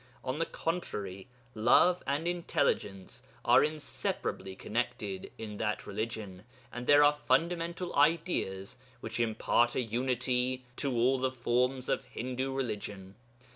On the contrary, love and intelligence are inseparably connected in that religion and there are fundamental ideas which impart a unity to all the forms of Hindu religion.